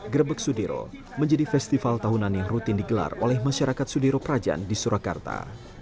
grebek sudiro menjadi festival tahunan yang rutin digelar oleh masyarakat sudiro prajan di surakarta